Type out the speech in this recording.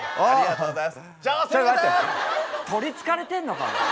とりつかれてんのかお前。